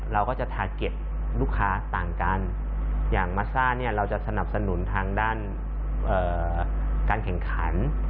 เราจะสนับสนุนทางด้านการแข่งขัน